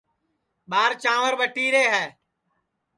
ٻار چانٚور ٻٹیرے ہے